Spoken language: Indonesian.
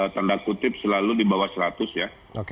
tanda kutip selalu di bawah seratus ya